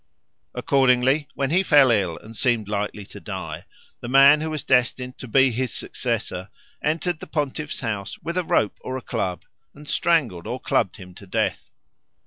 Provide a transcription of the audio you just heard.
Accordingly when he fell ill and seemed likely to die, the man who was destined to be his successor entered the pontiff's house with a rope or a club and strangled or clubbed him to death.